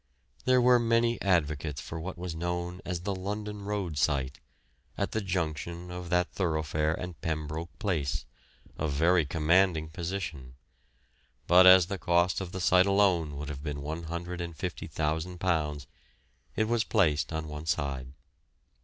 There were many advocates for what was known as the London Road site, at the junction of that thoroughfare and Pembroke Place, a very commanding position; but as the cost of the site alone would have been £150,000 it was placed on one side.